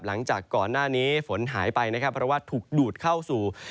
หลังจากก่อนหน้านี้ฝนหายไปนะครับเพราะว่าถูกดูดเข้าสู่